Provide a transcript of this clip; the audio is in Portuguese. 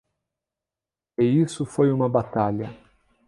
E isso foi uma batalha.